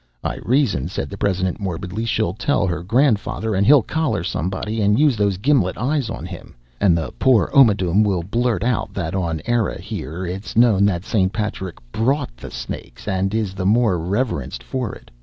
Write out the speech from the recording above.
"I reason," said the president morbidly, "she'll tell her grandfather, and he'll collar somebody and use those gimlet eyes on him and the poor omadhoum will blurt out that on Eire here it's known that St. Patrick brought the snakes and is the more reverenced for it.